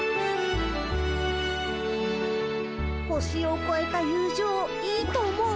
星をこえた友情いいと思う。